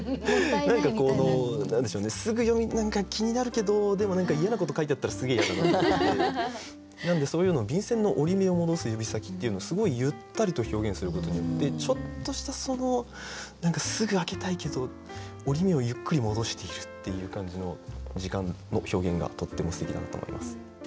何でしょうねすぐ読み気になるけどでも何か嫌なこと書いてあったらすげえ嫌だなっていうのでなのでそういうのを「便箋の折り目を戻す指先」っていうのですごいゆったりと表現することによってちょっとしたそのすぐ開けたいけど折り目をゆっくり戻しているっていう感じの時間の表現がとってもすてきだなと思います。